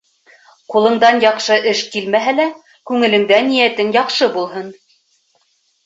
Ҡулыңдан яҡшы эш килмәһә лә, күңелеңдә ниәтең яҡшы булһын.